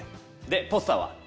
でポスターは？